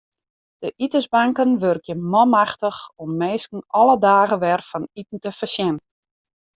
De itensbanken wurkje manmachtich om minsken alle dagen wer fan iten te foarsjen.